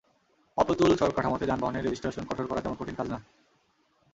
অপ্রতুল সড়ক কাঠামোতে যানবাহনের রেজিস্ট্রেশন কঠোর করা তেমন কঠিন কাজ না।